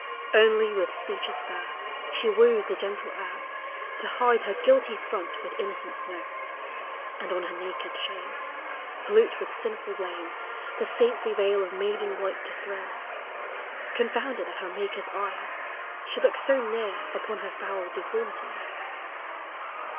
Only with speeches fair She woos the gentle air To hide her guilty front with innocent snow, And on her naked shame. Pollute with sinful blame, The saintly veil of maiden white to throw Confounded that her maker's eyes Should look so near upon her foul deformities.